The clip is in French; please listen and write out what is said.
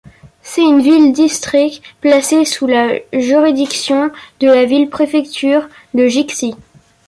C'est une ville-district placée sous la juridiction de la ville-préfecture de Jixi.